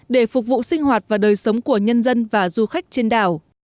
để phục vụ sinh hoạt và đời sống của nhân dân và du khách trên đảo